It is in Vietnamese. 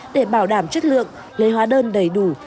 để bảo đảm chất lượng lấy hóa đơn đầy đủ